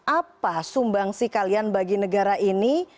apa sumbangsi kalian bagi negara ini